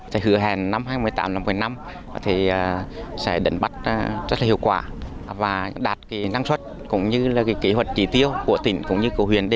thì hứa hẹn năm hai nghìn một mươi tám năm hai nghìn một mươi năm thì sẽ đánh bắt rất là hiệu quả và đạt năng suất cũng như kế hoạch trí tiêu